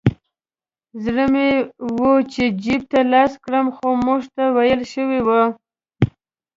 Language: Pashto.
زړه مې و چې جیب ته لاس کړم خو موږ ته ویل شوي وو.